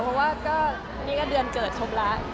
เพราะว่าก็นี่ก็เดือนเกิดชมละ